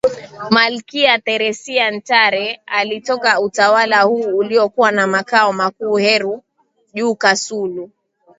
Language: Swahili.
Malkia theresia ntare alitoka utawala huu uliokuwa na makao makuu heru juu kasulu